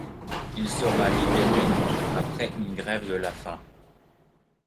Il sera libéré après une grève de la faim.